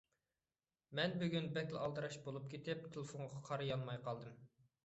مەن بۈگۈن بەكلا ئالدىراش بولۇپ كېتىپ، تېلېفونغا قارىيالماي قالدىم.